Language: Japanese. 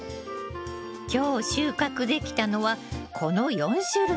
今日収穫できたのはこの４種類。